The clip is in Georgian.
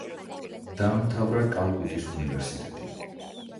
დაამთავრა კალკუტის უნივერსიტეტი.